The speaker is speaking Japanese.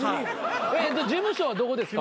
事務所はどこですか？